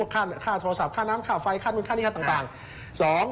ค่าโทรศัพท์ค่าน้ำค่าไฟค่านู้นค่านี้ค่าต่าง